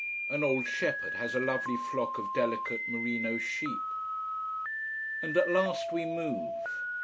An old shepherd has a lovely flock of delicate merino sheep. And at last we move.